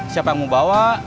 siapa yang mau bawa